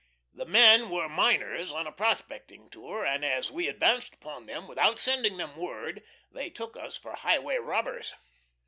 The men were miners on a prospecting tour, and as we advanced upon them without sending them word they took us for highway robbers.